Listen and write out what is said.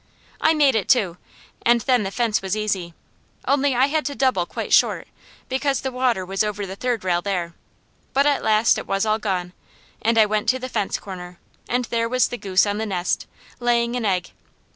I made it too, and then the fence was easy, only I had to double quite short, because the water was over the third rail there, but at last it was all gone, and I went to the fence corner and there was the goose on the nest, laying an egg.